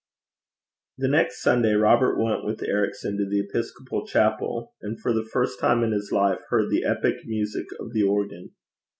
The next Sunday Robert went with Ericson to the episcopal chapel, and for the first time in his life heard the epic music of the organ.